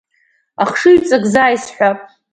Ахшыҩҵак заа исҳәап…